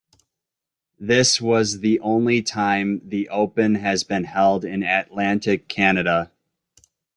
This was the only time the Open has been held in Atlantic Canada.